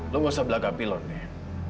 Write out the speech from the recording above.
lo gak usah belagapi lo nek